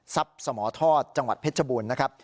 สมทอดจังหวัดเพชรบูรณ์นะครับ